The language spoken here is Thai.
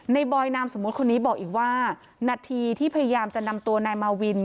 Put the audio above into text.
บอยนามสมมุติคนนี้บอกอีกว่านาทีที่พยายามจะนำตัวนายมาวิน